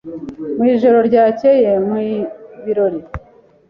Mwijoro ryakeye mwibirori?